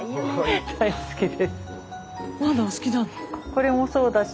これもそうだし。